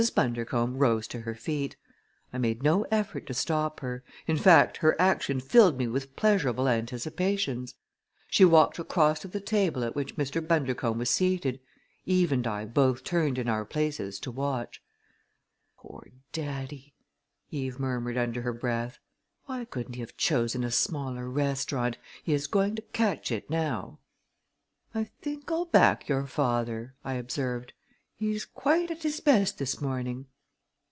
Bundercombe rose to her feet. I made no effort to stop her; in fact her action filled me with pleasurable anticipations. She walked across to the table at which Mr. Bundercombe was seated. Eve and I both turned in our places to watch. "Poor daddy!" Eve murmured under her breath. "Why couldn't he have chosen a smaller restaurant. He is going to catch it now!" "I think I'll back your father," I observed. "He is quite at his best this morning."